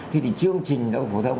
thì chương trình giáo dục phổ thông